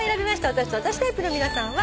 私と私タイプの皆さんは。